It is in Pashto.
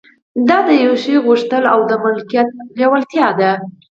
دا د يوه شي غوښتل او د مالکيت لېوالتيا ده.